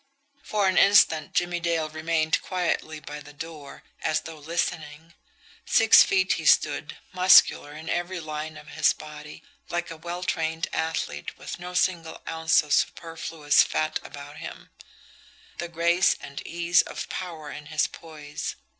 For an instant Jimmie Dale remained quietly by the door, as though listening. Six feet he stood, muscular in every line of his body, like a well trained athlete with no single ounce of superfluous fat about him the grace and ease of power in his poise.